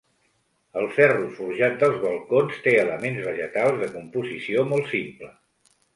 El ferro forjat dels balcons té elements vegetals de composició molt simple.